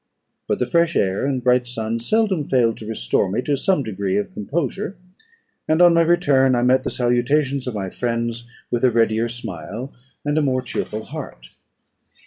But the fresh air and bright sun seldom failed to restore me to some degree of composure; and, on my return, I met the salutations of my friends with a readier smile and a more cheerful heart.